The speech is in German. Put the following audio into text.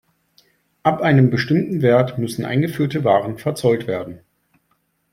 Ab einem bestimmten Wert müssen eingeführte Waren verzollt werden.